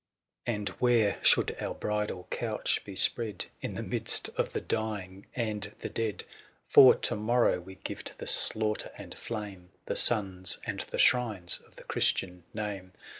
5'S5 " And where should our bridal couch be spread f " In the 'midst of the dying and the dead ? 32 THE SIEGE OF CORINTH. '* For to morrow we give to the slaughter and flame " The sons and the shrines of the Christian name.